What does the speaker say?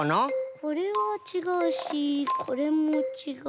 これはちがうしこれもちがう。